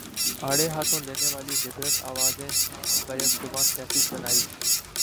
آڑے ہاتھوں لینے والی لبرل آوازیں بیک زبان کہتی سنائی